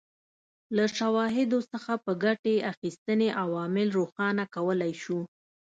له شواهدو څخه په ګټې اخیستنې عوامل روښانه کولای شو.